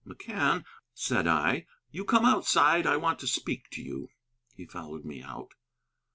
"McCann," said I, "you come outside. I want to speak to you." He followed me out.